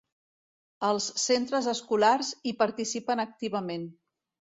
Els centres escolars hi participen activament.